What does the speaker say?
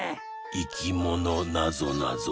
「いきものなぞなぞ」